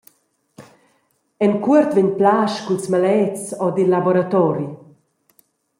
En cuort vegn Plasch culs maletgs ord il laboratori.